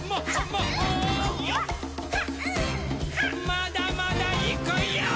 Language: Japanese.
まだまだいくヨー！